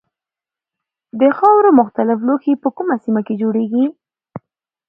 د خاورو مختلف لوښي په کومه سیمه کې جوړیږي.